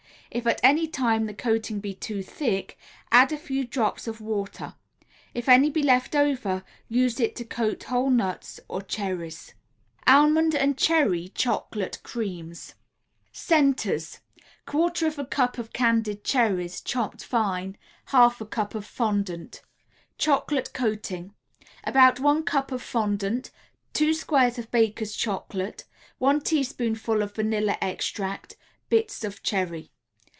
If at any time the coating be too thick, add a few drops of water. If any be left over, use it to coat whole nuts or cherries. [Illustration: ALMOND AND CHERRY CHOCOLATE CREAMS.] CHERRY CHOCOLATE CREAMS CENTERS 1/4 a cup of candied cherries, chopped fine, 1/2 a cup of fondant. CHOCOLATE COATING About one cup of fondant, 2 squares of Baker's Chocolate, 1 teaspoonful of vanilla extract, Bits of cherry.